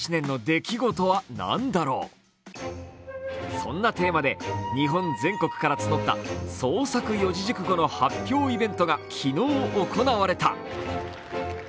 そんなテーマで日本全国から募った創作四字熟語の発表イベントが昨日、行われました。